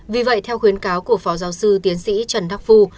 vì vậy theo khuyến cáo của phó giáo sư tiến sĩ trần đắc phu